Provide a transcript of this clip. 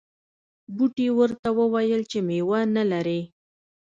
بوټي ورته وویل چې میوه نه لرې.